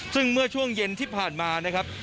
ซึ่งเมื่อช่วงเย็นที่ผ่านมานะครับ